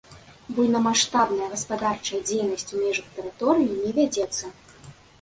Буйнамаштабная гаспадарчая дзейнасць у межах тэрыторыі не вядзецца.